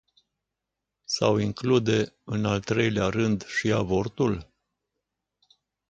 Sau include, în al treilea rând, și avortul?